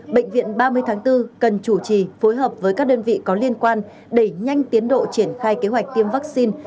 bệnh viện ba mươi tháng bốn cần chủ trì phối hợp với các đơn vị có liên quan đẩy nhanh tiến độ triển khai kế hoạch tiêm vaccine